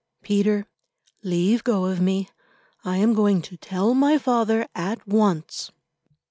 "Peter, leave go of me. I am going to tell my father, at once."